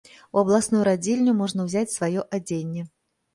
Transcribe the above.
У абласную радзільню можна ўзяць сваё адзенне.